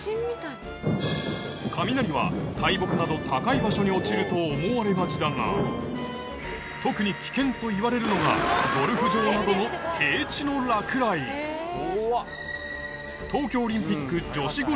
雷は大木など高い場所に落ちると思われがちだが特に危険といわれるのがゴルフ場などの平地の落雷ではこれを見ればえ！